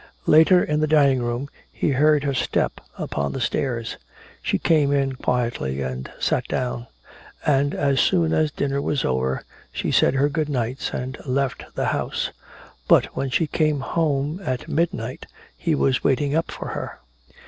Later in the dining room he heard her step upon the stairs. She came in quietly and sat down; and as soon as dinner was over, she said her good nights and left the house. But when she came home at midnight, he was waiting up for her.